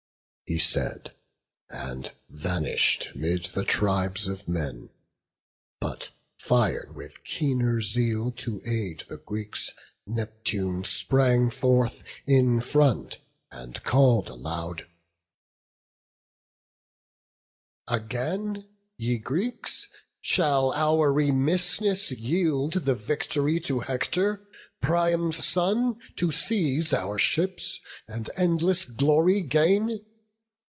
He said, and vanish'd 'mid the tribes of men: But fir'd with keener zeal to aid the Greeks, Neptune sprang forth in front, and call'd aloud: "Again, ye Greeks, shall our remissness yield The victory to Hector, Priam's son, To seize our ships, and endless glory gain?